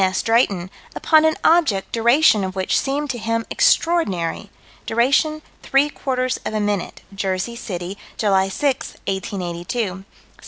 S. Drayton, upon an object duration of which seemed to him extraordinary; duration three quarters of a minute, Jersey City, July 6, 1882 (_Sci.